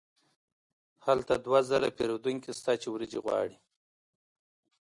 هلته دوه زره پیرودونکي شته چې وریجې غواړي.